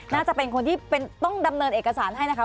น่าจะเป็นคนที่ต้องดำเนินเอกสารให้นะคะ